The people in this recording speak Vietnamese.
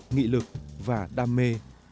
nghị lực và đam mê